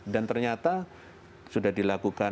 dan ternyata sudah dilakukan